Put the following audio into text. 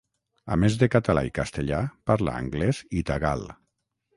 A més de català i castellà parla anglès i tagal.